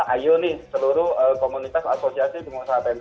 ayo nih seluruh komunitas asosiasipm "